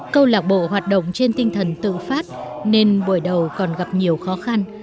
câu lạc bộ hoạt động trên tinh thần tự phát nên buổi đầu còn gặp nhiều khó khăn